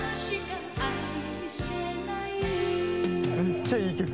めっちゃいい曲。